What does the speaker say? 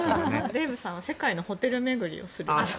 デーブさんは世界のホテル巡りを。